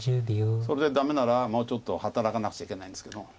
それでダメならもうちょっと働かなくちゃいけないんですけど。